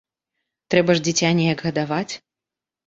Трэба ж дзіця неяк гадаваць.